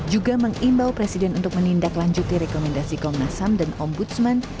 juga mengimbau presiden untuk menindaklanjuti rekomendasi komnasam dan ombudsman